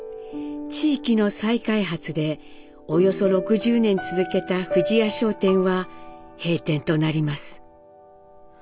地域の再開発でおよそ６０年続けた富士屋商店は閉店となります。